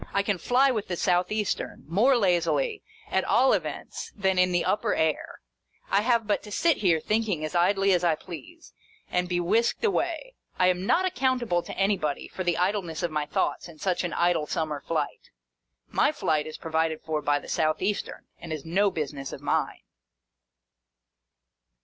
I can fly with the South Eastern, more lazily, at all events, than in the upper air. I have but to sit here thinking as idly as I please, and be whisked away. I am not accountable to anybody for the idleness of my thoughts in such an idle VOL. III. 530 HOUSEHOLD WOEDS. [Conducted by summer flight ; my flight is provided for by the South Eastern, and is no business of mine.